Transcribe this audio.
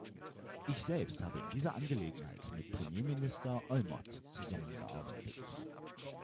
Ich selbst habe in dieser Angelegenheit mit Premierminister Olmert zusammengearbeitet.